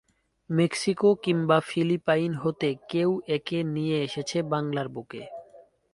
Mexico কিংবা Philippine হতে কেউ একে নিয়ে এসেছে বাংলার বুকে।